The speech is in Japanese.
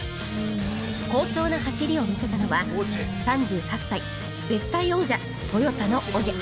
好調な走りを見せたのは３８歳絶対王者トヨタのオジェ